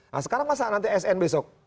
nah sekarang masa nanti sn besok